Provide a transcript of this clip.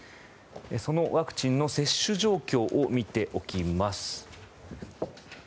そのワクチンの接種状況を見ておきます。